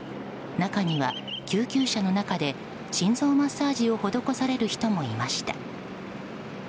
中には救急車の中で心臓マッサージを施される人もいました。